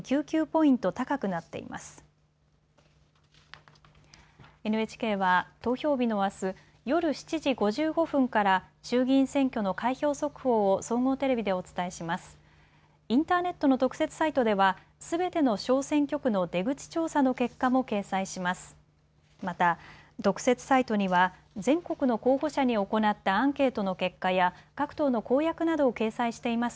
インターネットの特設サイトではすべての小選挙区の出口調査の結果も掲載します。